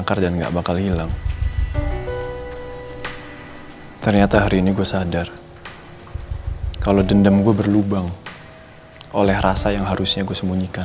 kayaknya udah grandma jam satu dishes